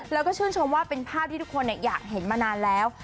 แล้วก็ชื่นชมว่าเป็นภาพที่ทุกคนอยากเห็นมานานแล้ว